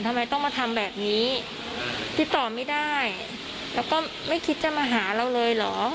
ทำไมต้องมาทำแบบนี้ติดต่อไม่ได้แล้วก็ไม่คิดจะมาหาเราเลยเหรอ